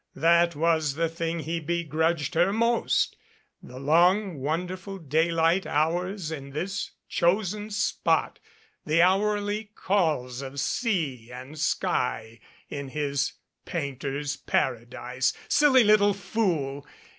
That was the thing he begrudged her most the long wonderful daylight hours in this chosen spot, the hourly calls of sea and sky in this painters' paradise. Silly little fool!